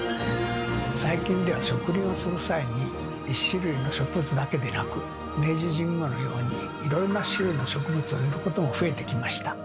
最近では植林をする際に１種類の植物だけでなく明治神宮のようにいろいろな種類の植物を植えることも増えてきました。